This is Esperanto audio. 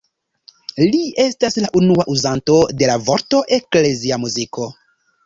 Li estas la unua uzanto de la vorto „eklezia muziko“.